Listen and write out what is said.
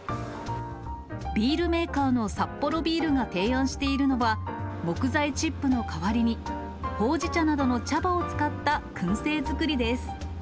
ビールメーカーのサッポロビールが提案しているのは、木材チップの代わりに、ほうじ茶などの茶葉を使ったくん製作りです。